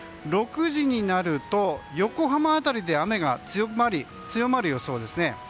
６時になると横浜辺りで雨が強まる予想ですね。